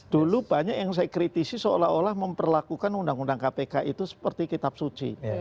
dulu banyak yang saya kritisi seolah olah memperlakukan undang undang kpk itu seperti kitab suci